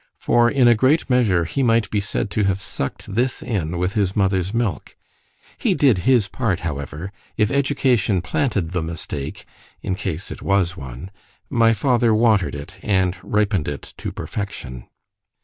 —For in a great measure he might be said to have suck'd this in with his mother's milk. He did his part however.——If education planted the mistake (in case it was one) my father watered it, and ripened it to perfection.